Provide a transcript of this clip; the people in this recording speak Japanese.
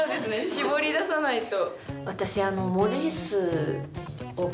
絞り出さないと。